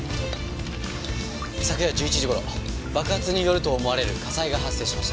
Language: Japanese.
昨夜１１時頃爆発によると思われる火災が発生しました。